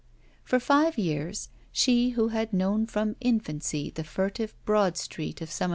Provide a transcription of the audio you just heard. For five years, she who had known from infancy the furtive Bradstreet of some of